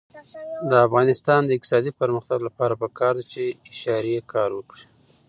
د افغانستان د اقتصادي پرمختګ لپاره پکار ده چې اشارې کار وکړي.